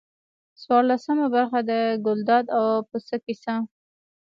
څوارلسمه برخه د ګلداد او پسه کیسه.